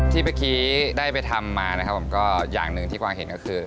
เมื่อกี้ได้ไปทำมานะครับผมก็อย่างหนึ่งที่กวางเห็นก็คือ